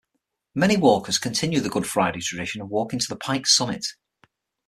Many walkers continue the Good Friday tradition of walking to the pike summit.